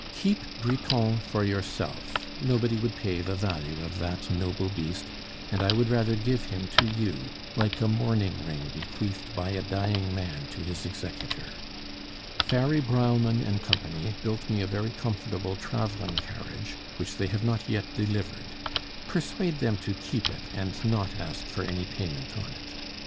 Keep Briton for yourself; nobody would pay the value of that noble beast, and I would rather give him to you like a mourning ring bequeathed by a dying man to his executor. Farry, Breilmann, & Co. built me a very comfortable travelling carriage, which they have not yet delivered; persuade them to keep it and not ask for any payment on it.